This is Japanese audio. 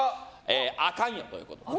アカンよということで。